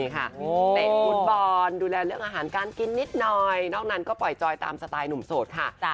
ก็เลยใช่ค่ะก็เลยอดถามไม่ได้นะคะ